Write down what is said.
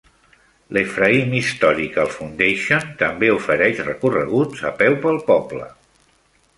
L'Ephraim Historical Foundation també ofereix recorreguts a peu pel poble.